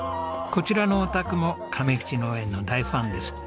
こちらのお宅も亀吉農園の大ファンです。